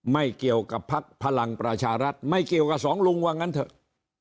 ไม่เกี่ยวกับภักดิ์พลังประชารัฐไม่เกี่ยวกับสองลุงว่างั้นเถอะ